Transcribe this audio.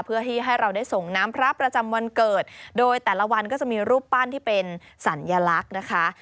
เพื่อที่ให้เราได้ส่งน้ำพระประจำวันเกิดโดยแต่ละวันก็จะมีรูปปั้นที่เป็นสัญลักษณ์นะคะ